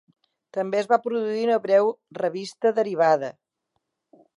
També es va produir una breu revista derivada.